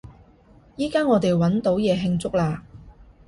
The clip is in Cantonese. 依加我哋搵到嘢慶祝喇！